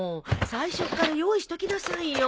最初っから用意しときなさいよ。